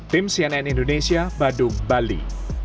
tim cnn indonesia badung bali